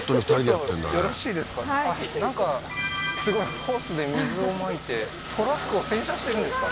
はいなんかすごいホースで水をまいてトラックを洗車してるんですか？